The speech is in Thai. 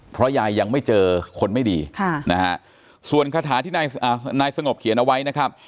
เพราะยายยังไม่เจอคนไม่ดีนะฮะส่วนคาถาที่นายสงบเขียนเอาไว้นะครับ